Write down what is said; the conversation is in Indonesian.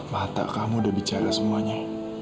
mata kamu udah bicara semuanya